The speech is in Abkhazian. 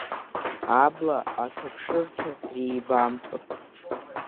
Абла аҭаԥшырҭа рибамҭо.